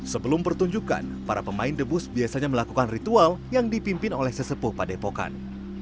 semain debus biasanya melakukan ritual yang dipimpin oleh sesepuh padepokan